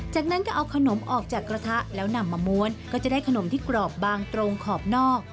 จากนั้นก็เอาขนมออกจากกระทะแล้วนำมาม้วนก็จะได้ขนมที่กรอบบางตรงขอบนอก